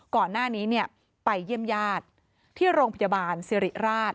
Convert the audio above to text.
ก่อนหน้านี้ไปเยี่ยมญาติที่โรงพยาบาลสิริราช